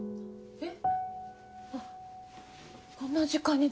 えっ。